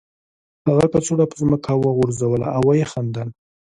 هغه کڅوړه په ځمکه وغورځوله او ویې خندل